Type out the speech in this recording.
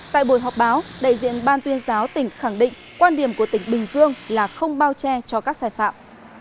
tại buổi họp báo đại diện ban tuyên giáo tỉnh khẳng định quan điểm của tỉnh bình dương là không bao che cho các sai phạm